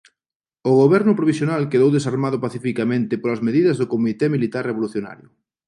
O Goberno provisional quedou desarmado pacificamente polas medidas do Comité Militar Revolucionario.